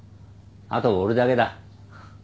あとは俺だけだ